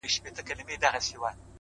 د پښتنو ماحول دی دلته تهمتوته ډېر دي!!